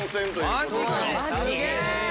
すげえ！